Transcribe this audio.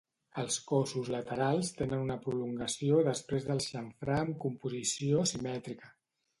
Els cossos laterals tenen una prolongació després del xamfrà amb composició simètrica.